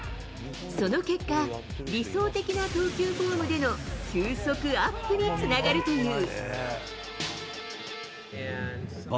その結果、理想的な投球フォームでの球速アップにつながるという。